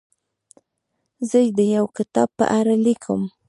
زه د یو کتاب په اړه لیکم.